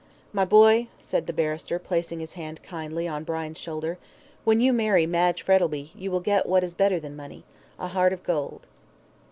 "My boy," said the barrister, placing his hand kindly on Brian's shoulder, "when you marry Madge Frettlby, you will get what is better than money a heart of gold."